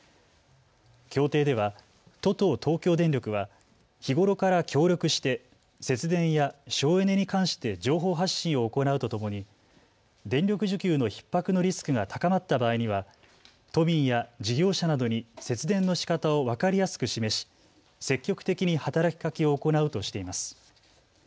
協定では都と東京電力は日頃から協力して節電や省エネに関して情報発信を行うとともに電力需給のひっ迫のリスクが高まった場合には都民や事業者などに節電のしかたを分かりやすく示し、積極的に働きかけを行うとしています。